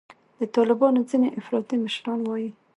د طالبانو ځیني افراطي مشران وایي